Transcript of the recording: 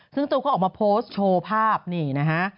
ซึ่งตัวเขาออกมาโพสต์โชว์ภาพนี่นะฮะ